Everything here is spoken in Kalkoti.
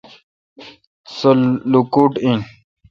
سو لوکوٹ این۔